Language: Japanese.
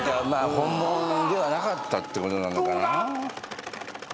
本もんではなかったってことなのかな。